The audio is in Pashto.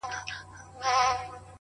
خو هغه زړور زوړ غم ژوندی گرځي حیات دی؛